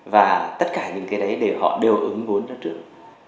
và tất cả những cái đấy để họ đều ứng vốn ra trước